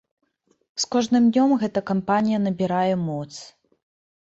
С кожным днём гэта кампанія набірае моц.